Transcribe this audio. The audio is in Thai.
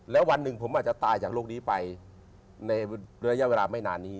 แล้ววันหนึ่งผมอาจจะตายจากโรคนี้ไปในระยะเวลาไม่นานนี้